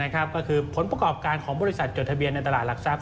ก็คือผลประกอบการของบริษัทจดทะเบียนในตลาดหลักทรัพย